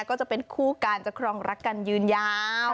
ก็จะเป็นคู่กันจะครองรักกันยืนยาว